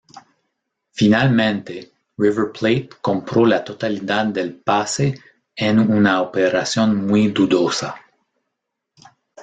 Finalmente, River Plate compró la totalidad del pase en una operación muy dudosa.